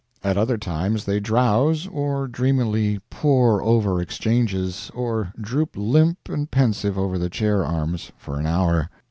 At other times they drowse, or dreamily pore over exchanges, or droop limp and pensive over the chair arms for an hour.